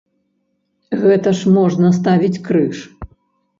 Гэта ж можна ставіць крыж!